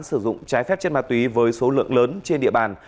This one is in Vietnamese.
sử dụng trái phép chất ma túy với số lượng lớn trên địa bàn